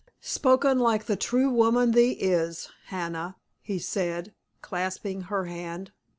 "Spoken like the true woman thee is, Hannah," he said, clasping her hand.